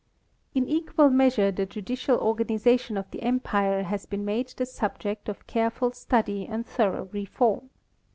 In equal measure the judicial organization of the empire has been made the subject of careful study and thorough reform.